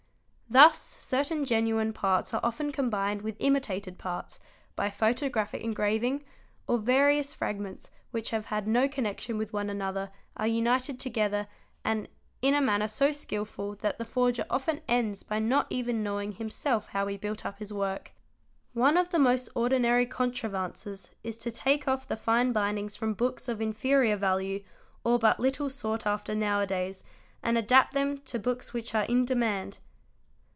Thus certain genuine. parts are often combined with imitated parts by photographic engraving, or various fragments which have had no connection with one another are united together and in a manner so skilful that the.forger often ends by not even knowing himself how he built up his work. One of the most ordinary contrivances is to take off the fine bindings from books of inferior value or but little sought after now a days and adapt them to books which are in demand.